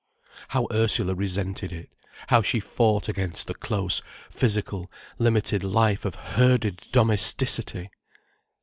How Ursula resented it, how she fought against the close, physical, limited life of herded domesticity!